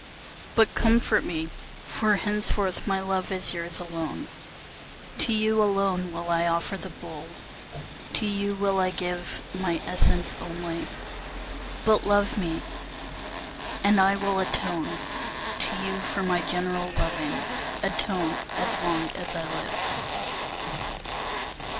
But comfort me, for henceforth my love is yours alone, To you alone will I offer the bowl, to you will I give My essence only, but love me, and I will atone To you for my general loving, atone as long as I live.